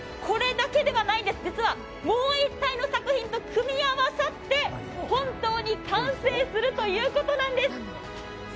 これだけではないんです、実はもう一体の作品と組み合わさって、本当に完成するということなんです。